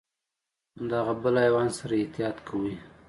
د هغه بل حیوان سره احتياط کوئ .